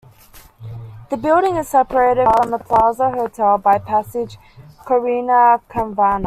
The building is separated from the Plaza Hotel by the passage Corina Kavanagh.